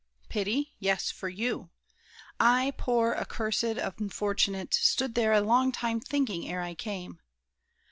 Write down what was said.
Pity? yes, For you! I, poor, accursed, unfortunate, Stood there a long time thinking, ere I came!